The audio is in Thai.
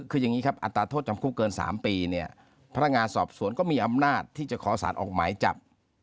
คืออย่างนี้ครับอัตราโทษจำคุกเกิน๓ปีเนี่ยพนักงานสอบสวนก็มีอำนาจที่จะขอสารออกหมายจับ